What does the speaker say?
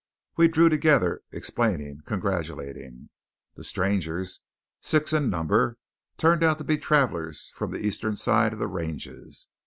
We drew together, explaining, congratulating. The strangers, six in number, turned out to be travellers from the eastern side of the ranges.